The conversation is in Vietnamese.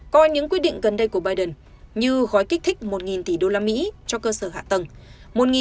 coi những quyết định gần đây của biden như gói kích thích một tỷ usd cho cơ sở hạ tầng